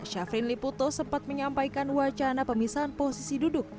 syafrin liputo sempat menyampaikan wacana pemisahan posisi duduk